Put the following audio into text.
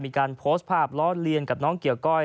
มีการโพสต์ภาพล้อเลียนกับน้องเกี่ยวก้อย